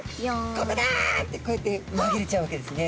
「ここだ」ってこうやってまぎれちゃうわけですね。